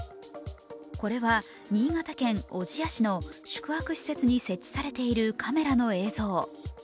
これは、新潟県小千谷市の宿泊施設に設置されているカメラの映像。